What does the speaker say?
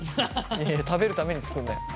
いやいや食べるために作んなよ。